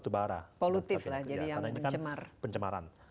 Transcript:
karena ini kan pencemaran